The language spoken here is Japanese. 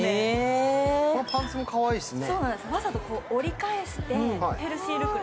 パンツもかわいいですね。